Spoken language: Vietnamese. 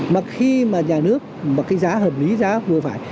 mà khi mà nhà nước mà cái giá hợp lý giá vừa phải